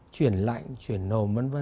chuyển lạnh chuyển nồm v v